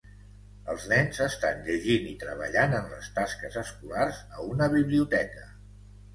Els nens estan llegint i treballant en les tasques escolars a una biblioteca.